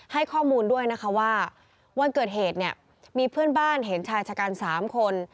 ให้ข้อมูลด้วยนะคะว่าวันเกิดเหตุเนี่ยมีเพื่อนบ้านเห็นชายชะกัน๓คน